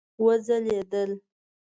وځلیدل